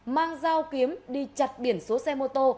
mang dao kiếm đi chặt biển số xe mô tô